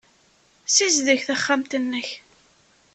Ssizdeg taxxamt-nnek.